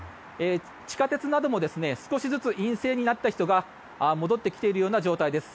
地下鉄なども少しずつ陰性になった人が戻ってきているような状態です。